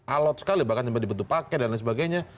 alot sekali bahkan di bentuk pake dan lain sebagainya